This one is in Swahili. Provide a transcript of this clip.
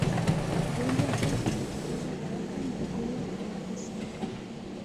Ugonjwa huu hujitokeza haraka na kuua haraka sana